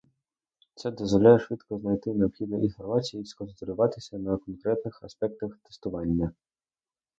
Це дозволяє швидко знайти необхідну інформацію і сконцентруватися на конкретних аспектах тестування.